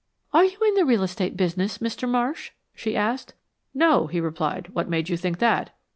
"Are you in the real estate business, Mr. Marsh?" she asked. "No," he replied. "What made you think that?"